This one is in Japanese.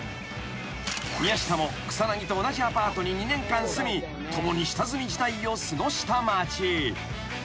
［宮下も草薙と同じアパートに２年間住み共に下積み時代を過ごした町］